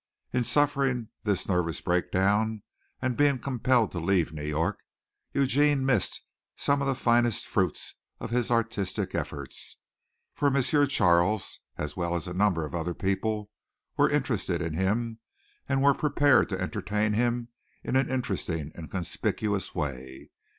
In suffering this nervous breakdown and being compelled to leave New York, Eugene missed some of the finest fruits of his artistic efforts, for M. Charles, as well as a number of other people, were interested in him and were prepared to entertain him in an interesting and conspicuous way.